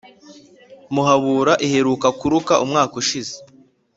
Muhabura iheruka kuruka umwaka ushize